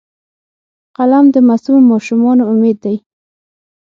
قلم د معصومو ماشومانو امید دی